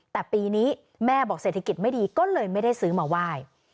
แต่ปีนี้แม่บอกเศรษฐกิจไม่ดีก็เลยไม่ได้ซื้อมาไหว้